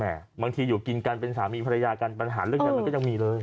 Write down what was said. บางทีอยู่กินกันเป็นสามีภรรยากันปัญหาเรื่องเงินมันก็ยังมีเลย